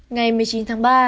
ngày một mươi chín tháng ba